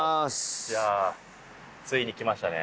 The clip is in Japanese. いやついに来ましたね。